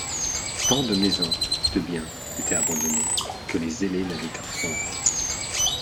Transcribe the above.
Tant de maisons, de biens, étaient abandonnés, que les zélés n'avaient qu'à prendre.